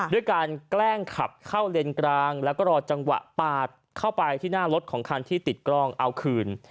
ด้วยการแกล้งขับเข้าเลนกลางแล้วก็รอจังหวะปาดเข้าไปที่หน้ารถของคันที่ติดกล้องเอาคืน